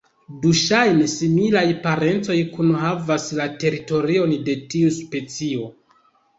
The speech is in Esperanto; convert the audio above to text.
Du ŝajne similaj parencoj kunhavas la teritorion de tiu specio.